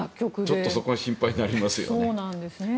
ちょっとそこは心配になりますよね。